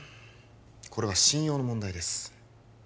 これは信用の問題です